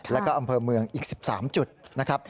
แล้วก็อำเภอเมืองอีก๑๓จุดนะครับ